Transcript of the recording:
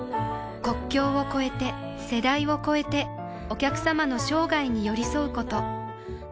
国境を超えて世代を超えてお客様の生涯に寄り添うこと